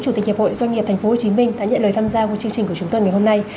chủ tịch hiệp hội doanh nghiệp tp hcm đã nhận lời tham gia của chương trình của chúng tôi ngày hôm nay